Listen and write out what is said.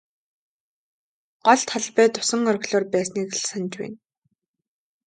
Гол талбайд усан оргилуур байсныг л санаж байна.